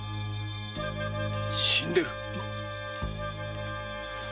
死んでる！